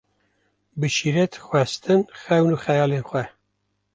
Bi şîret, xwestin, xewn û xeyalên xwe